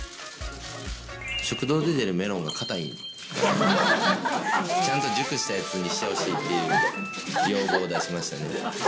食堂で出るメロンが硬いから、ちゃんと熟したやつにしてほしいっていう要望を出しましたね。